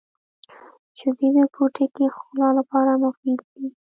• شیدې د پوټکي ښکلا لپاره مفیدې دي.